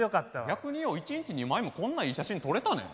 逆によう一日２枚もこんないい写真撮れたね。